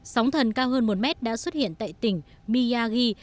sóng thần cao hơn một mét đã xuất hiện tại tỉnh miyagi